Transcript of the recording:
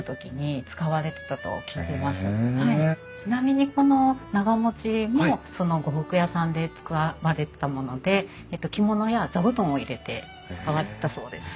あのちなみにこの長持ちもその呉服屋さんで使われてたもので着物や座布団を入れて使われてたそうです。